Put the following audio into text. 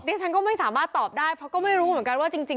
ฉันก็ไม่สามารถตอบได้เพราะก็ไม่รู้เหมือนกันว่าจริง